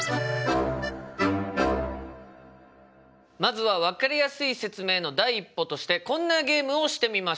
まずは分かりやすい説明の第一歩としてこんなゲームをしてみましょう！